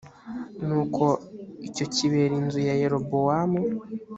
nuko icyo kibera inzu ya yerobowamu